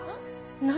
何？